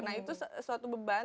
nah itu suatu beban